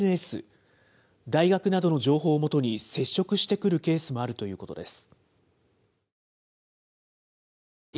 大学などの情報を基に、接触してくるケースもあるということです。